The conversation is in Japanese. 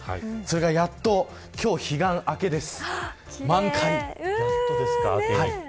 それがやっと今日彼岸明けです。